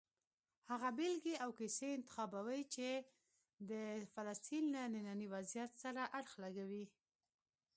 هغه بېلګې او کیسې انتخابوي چې د فلسطین له ننني وضعیت سره اړخ لګوي.